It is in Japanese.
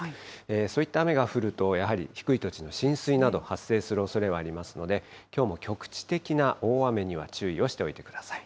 そういった雨が降ると、やはり低い土地の浸水など発生するおそれはありますので、きょうも局地的な大雨には注意をしておいてください。